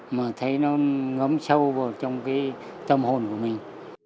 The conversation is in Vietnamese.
mà thấy nó ngấm sâu vào trong cái tâm hồn của mình